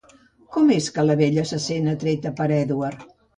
Com és que la Bella se sent atreta per l'Edward?